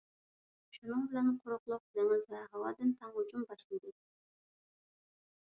شۇنىڭ بىلەن، قۇرۇقلۇق، دېڭىز ۋە ھاۋادىن تەڭ ھۇجۇم باشلىدى.